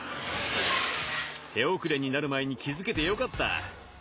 手遅れになる前に気づけてよかった。